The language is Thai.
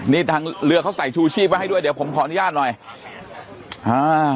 นี่ทางเรือเขาใส่ชูชีพไว้ให้ด้วยเดี๋ยวผมขออนุญาตหน่อยอ่า